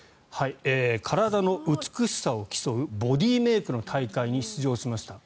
体の美しさを競うボディーメイクの大会に出場しました。